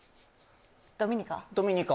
ドミニカ？